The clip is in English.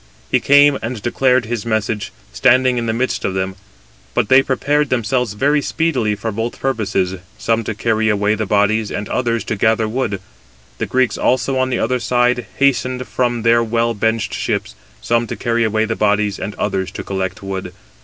He came, and declared his message, standing in the midst of them. But they prepared themselves very speedily for both purposes, some to carry away the bodies, and others to gather wood. The Greeks also on the other side hastened from their well benched ships, some to carry away the bodies, and others to collect wood.